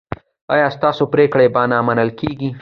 ایا ستاسو پریکړې به نه منل کیږي؟